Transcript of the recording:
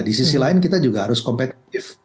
di sisi lain kita juga harus kompetitif